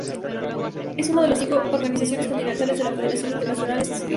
Es una de las cinco organizaciones continentales de la Federación Internacional de Esgrima.